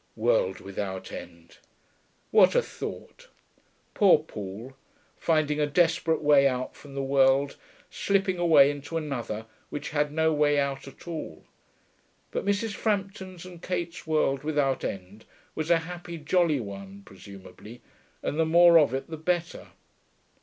World without end! What a thought! Poor Paul, finding a desperate way out from the world, slipping away into another which had no way out at all. But Mrs. Frampton's and Kate's world without end was a happy, jolly one, presumably, and the more of it the better.